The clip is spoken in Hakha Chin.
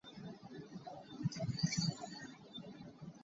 Na sam a sau ngai cang.